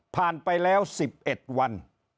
ผ่านไปแล้ว๑๑วัน